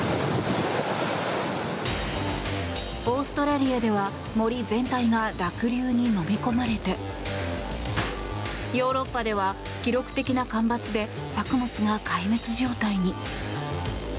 オーストラリアでは森全体が濁流にのみ込まれてヨーロッパでは記録的な干ばつで作物が壊滅状態に。